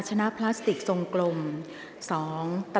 กรรมการท่านที่ห้าได้แก่กรรมการใหม่เลขเก้า